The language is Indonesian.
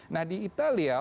nah di italia